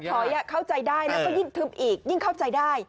ถอยเข้าใจได้แล้วก็ยิ่งทึบอีกยิ่งเข้าใจได้